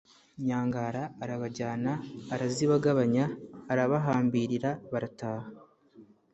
nyangara arabajyana arazibagabanya, arabahambirira barataha.